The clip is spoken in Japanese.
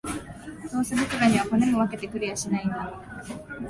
どうせ僕らには、骨も分けてくれやしないんだ